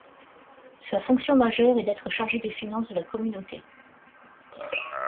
Sa fonction majeure est d'être chargé des finances de la communauté.